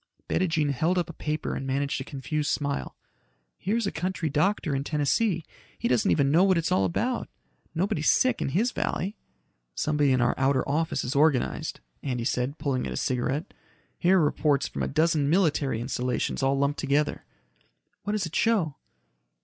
Bettijean held up a paper and managed a confused smile. "Here's a country doctor in Tennessee. He doesn't even know what it's all about. Nobody's sick in his valley." "Somebody in our outer office is organized," Andy said, pulling at his cigarette. "Here're reports from a dozen military installations all lumped together." "What does it show?"